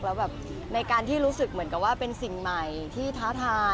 แล้วแบบในการที่รู้สึกเหมือนกับว่าเป็นสิ่งใหม่ที่ท้าทาย